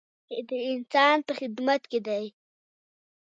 چې د انسان په خدمت کې دی.